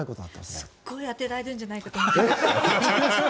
すっごい当てられるんじゃないかと思った。